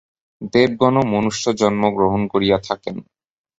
দেবগণও মনুষ্যজন্ম গ্রহণ করিয়া থাকেন।